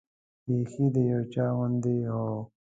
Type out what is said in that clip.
بیخي د یو چا غوندې وه.